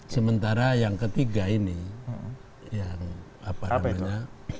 sementara yang ketiga ini yang apa namanya